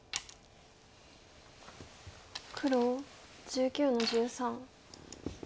黒１９の十三。